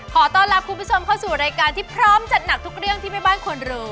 ขอต้อนรับคุณผู้ชมเข้าสู่รายการที่พร้อมจัดหนักทุกเรื่องที่แม่บ้านควรรู้